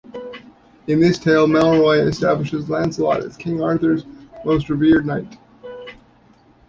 In this tale, Malory establishes Lancelot as King Arthur's most revered knight.